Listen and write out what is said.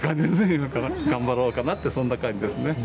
今から頑張ろうかなってそんな感じですね。